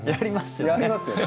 やりますよね。